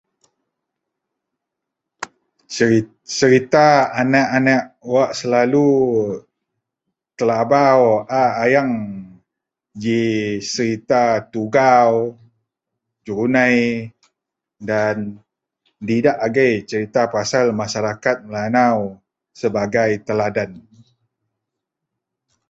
Ser, serita aneak-aneak wak selalu telabau a ayeng ji serita Tugau, jerunei dan didak agei serita pasel masarakat Melanau sebagai teladan